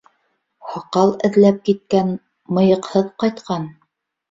Һаҡал эҙләп киткән, мыйыҡһыҙ ҡайтҡан.